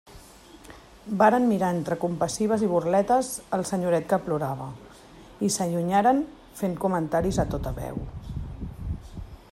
Varen mirar entre compassives i burletes el senyoret que plorava, i s'allunyaren fent comentaris a tota veu.